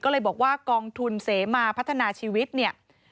ก็เลยบอกว่ากองทุนเสมาพัฒนาชีวิตเนี่ย